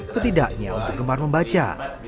setidaknya untuk gemar membaca